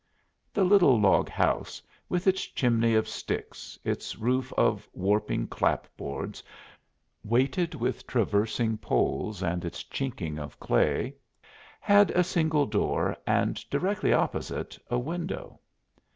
The little log house, with its chimney of sticks, its roof of warping clapboards weighted with traversing poles and its "chinking" of clay, had a single door and, directly opposite, a window.